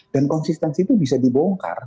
dan konsistensi itu bisa dibongkar